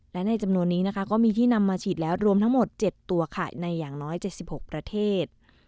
และในจำนวนนี้นะคะก็มีที่นำมาฉีดแล้วรวมทั้งหมด๗ตัวค่ะในอย่างน้อย๗๖ประเทศ